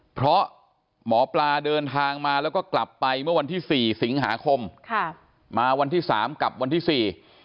เพราะหมอปลาเดินทางมาแล้วก็กลับไปเมื่อวันที่สี่สิงหาคมค่ะมาวันที่สามกับวันที่สี่